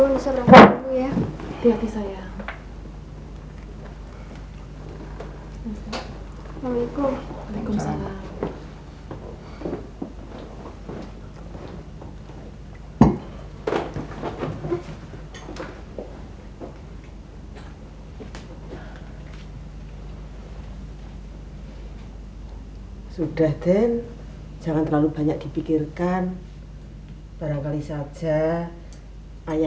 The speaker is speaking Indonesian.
nah sudah main saya